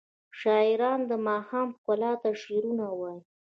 شاعران د ماښام ښکلا ته شعرونه وايي.